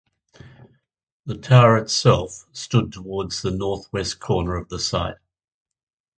The tower itself stood towards the north west corner of the site.